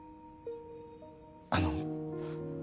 あの。